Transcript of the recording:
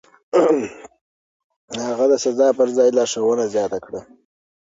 هغه د سزا پر ځای لارښوونه زياته کړه.